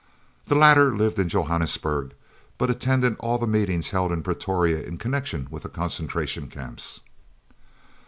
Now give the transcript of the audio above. The latter lived in Johannesburg, but attended all the meetings held in Pretoria in connection with the Concentration Camps.